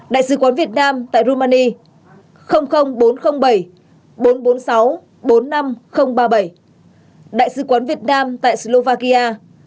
đại sứ quán việt nam tại slovakia